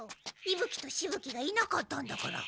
いぶ鬼としぶ鬼がいなかったんだから。